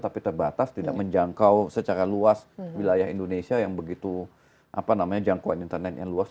tapi terbatas tidak menjangkau secara luas wilayah indonesia yang begitu jangkauan internet yang luas